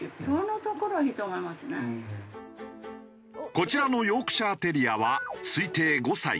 こちらのヨークシャーテリアは推定５歳。